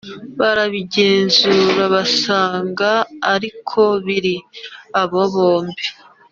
Barabigenzura basanga ari ko biri abo bombi